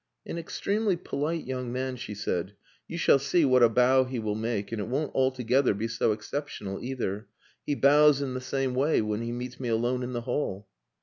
"An extremely polite young man," she said. "You shall see what a bow he will make; and it won't altogether be so exceptional either. He bows in the same way when he meets me alone in the hall."